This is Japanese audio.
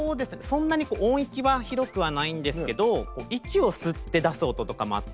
そんなに音域は広くはないんですけど息を吸って出す音とかもあったりして。